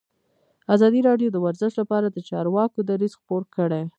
ازادي راډیو د ورزش لپاره د چارواکو دریځ خپور کړی.